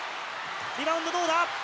リバウンドどうだ？